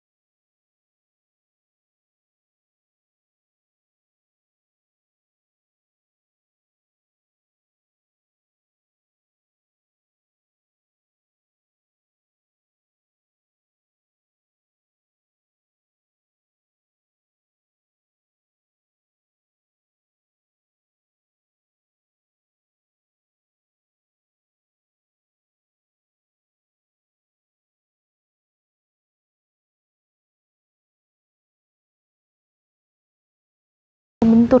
lagi lagi kamu nyametin aku